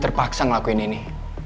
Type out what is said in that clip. terpaksa ngelakuin ini